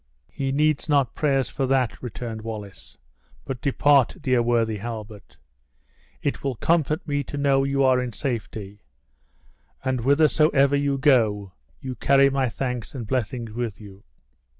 "He needs not prayers for that," returned Wallace; "but depart, dear, worthy Halbert; it will comfort me to know you are in safety; and whithersoever you go, you carry my thanks and blessings with you."